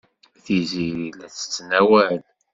Tiziri la tettnawal.